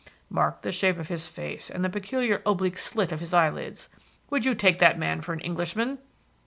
Mark the shape of his face and the peculiar oblique slit of his eyelids. Would you take that man for an Englishman?"